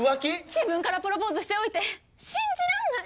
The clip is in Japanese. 自分からプロポーズしておいて信じらんない！